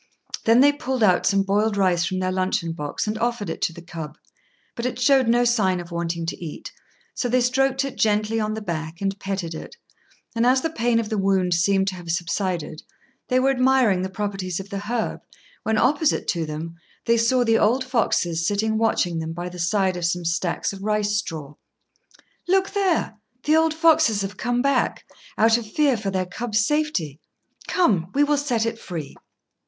Then they pulled out some boiled rice from their luncheon box and offered it to the cub, but it showed no sign of wanting to eat; so they stroked it gently on the back, and petted it; and as the pain of the wound seemed to have subsided, they were admiring the properties of the herb, when, opposite to them, they saw the old foxes sitting watching them by the side of some stacks of rice straw. "Look there! the old foxes have come back, out of fear for their cub's safety. Come, we will set it free!"